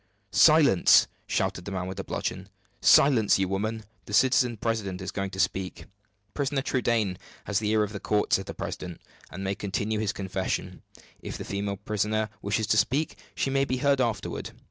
"Silence!" shouted the man with the bludgeon. "Silence, you women! the citizen president is going to speak." "The prisoner Trudaine has the ear of the court," said the president, "and may continue his confession. If the female prisoner wishes to speak, she may be heard afterward.